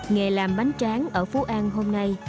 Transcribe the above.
nghề làm bánh tráng ở phú an cũng không ngoại lệ